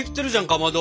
かまど。